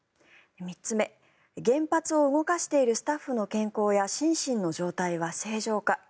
３つ目、原発を動かしているスタッフの健康や心身の状態は正常か。